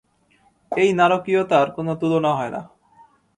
এই নারকীয়তার কোনো তুলনা হয় না।